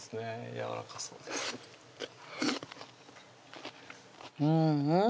やわらかそうでうんうん